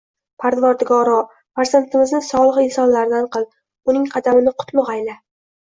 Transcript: Parvardigoro! Farzandimizni solih insonlardan qil, uning qadamini qutlug‘ ayla!